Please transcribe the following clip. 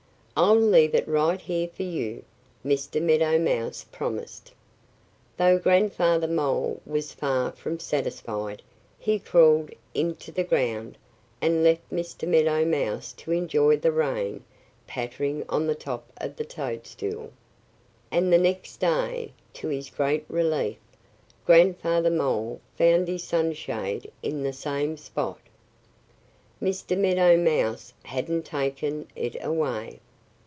"I'll leave it right here for you," Mr. Meadow Mouse promised. Though Grandfather Mole was far from satisfied he crawled into the ground and left Mr. Meadow Mouse to enjoy the rain pattering on the top of the toadstool. And the next day, to his great relief, Grandfather Mole found his sunshade in the same spot. Mr. Meadow Mouse hadn't taken it away.